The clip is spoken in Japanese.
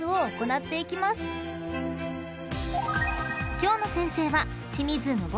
［今日の先生は］